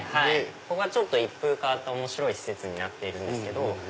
ここはちょっと一風変わった面白い施設になってるんですけど。